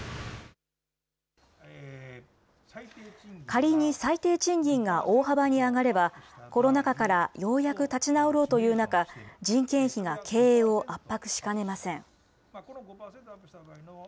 仮に、最低賃金が大幅に上がれば、コロナ禍からようやく立ち直ろうという中、人件費が経営を圧迫しかねません。